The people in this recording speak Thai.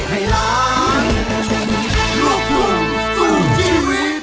โปรดติดตามตอนต่อไป